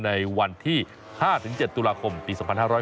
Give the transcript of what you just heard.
ในวันที่๕๗ตุลาคมปี๒๕๕๙